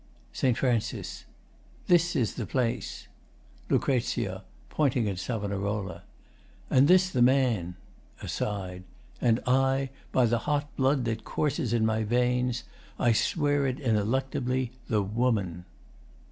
] ST. FRAN. This is the place. LUC. [Pointing at SAV.] And this the man! [Aside.] And I By the hot blood that courses i' my veins I swear it ineluctably the woman!